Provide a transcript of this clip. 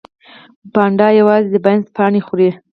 پاندا یوازې د بانس پاڼې خوري